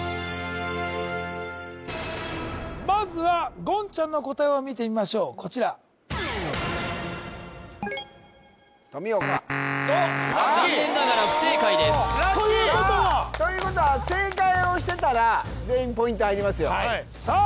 まずは言ちゃんの答えを見てみましょうこちらとみおか残念ながら不正解ですということは？ということは正解をしてたら全員ポイントあげますよさあ